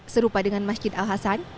serupa dengan masjid al hasan